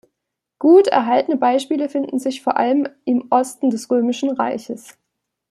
Gut erhaltene Beispiele finden sich vor allem im Osten des Römischen Reiches.